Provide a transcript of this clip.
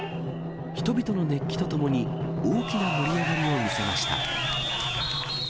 人々の熱気とともに、大きな盛り上がりを見せました。